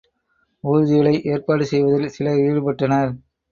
ஊர்திகளை ஏற்பாடு செய்வதில் சிலர் ஈடுபட்டனர்.